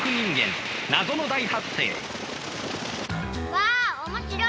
わぁ面白い！